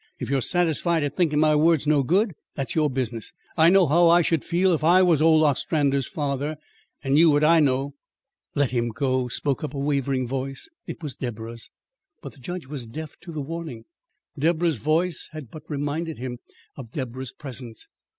If you're satisfied at thinkin' my word's no good, that's your business. I know how I should feel if I was Ol Ostrander's father and knew what I know." "Let him go," spoke up a wavering voice. It was Deborah's. But the judge was deaf to the warning. Deborah's voice had but reminded him of Deborah's presence.